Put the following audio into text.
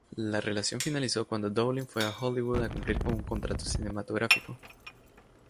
La relación finalizó cuando Dowling fue a Hollywood a cumplir con un contrato cinematográfico.